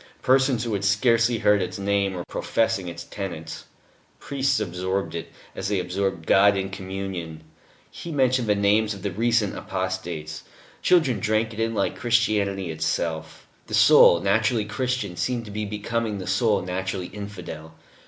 Persons who had scarcely heard its name were professing its tenets; priests absorbed it, as they absorbed God in Communion he mentioned the names of the recent apostates children drank it in like Christianity itself. The soul "naturally Christian" seemed to be becoming "the soul naturally infidel."